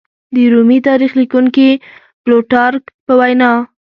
د رومي تاریخ لیکونکي پلوټارک په وینا